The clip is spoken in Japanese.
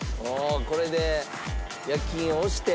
これで焼き印を押して。